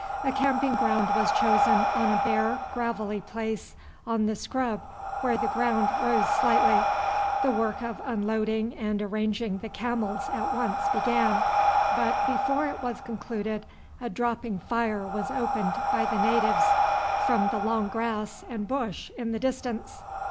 A camping ground was chosen on a bare gravelly place on the scrub where the ground rose slightly. The work of unloading and arranging the camels at once began, but before it was concluded a dropping fire was opened by the natives from the long grass and bush in the distance.